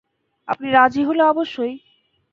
আপনি রাজি হলে অবশ্যই।